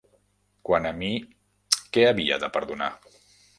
Quant a mi, què havia de perdonar?